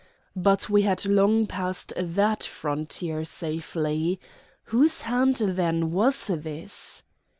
But we had long passed that frontier safely. Whose hand, then, was this?